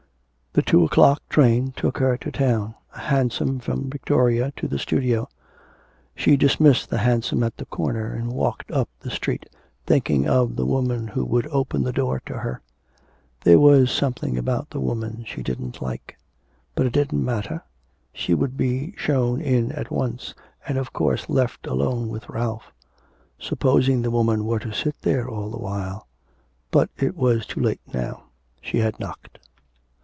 The two o'clock train took her to town, a hansom from Victoria to the studio; she dismissed the hansom at the corner and walked up the street thinking of the woman who would open the door to her. There was something about the woman she didn't like. But it didn't matter; she would be shown in at once, and of course left alone with Ralph... Supposing the woman were to sit there all the while. But it was too late now, she had knocked.